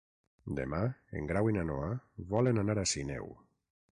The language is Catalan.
Demà en Grau i na Noa volen anar a Sineu.